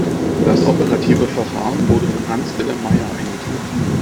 Das operative Verfahren wurde von Hans Wilhelm Meyer eingeführt.